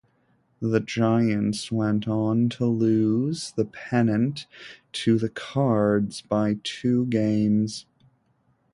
The Giants went on to lose the pennant to the Cards by two games.